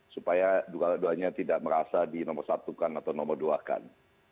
supaya dua duanya tidak merasa di nomor satukan atau nomor dua kan